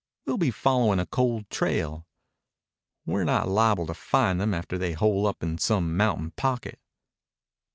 We'll be followin' a cold trail. We're not liable to find them after they hole up in some mountain pocket."